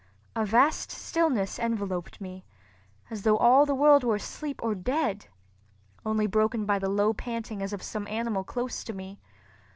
A vast stillness enveloped me, as though all the world were asleep or dead—only broken by the low panting as of some animal close to me.